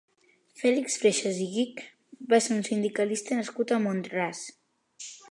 Fèlix Freixas i Gich va ser un sindicalista nascut a Mont-ras.